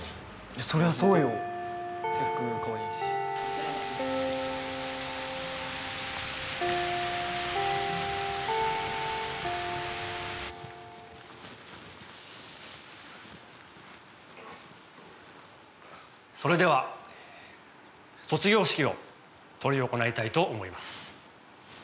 そりゃそうよ・・制服もかわいいし・それでは卒業式を執り行いたいと思います。